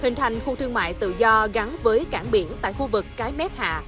hình thành khu thương mại tự do gắn với cảng biển tại khu vực cái mép hạ